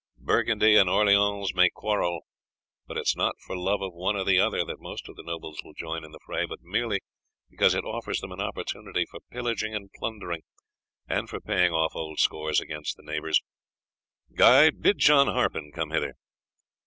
Burgundy and Orleans may quarrel, but it is not for love of one or the other that most of the nobles will join in the fray, but merely because it offers them an opportunity for pillaging and plundering, and for paying off old scores against neighbours. Guy, bid John Harpen come hither."